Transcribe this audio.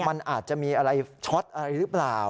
มันอาจจะมีอะไรช็อตอะไรหรือเปล่า